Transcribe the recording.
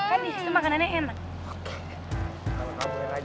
kan di situ makanannya enak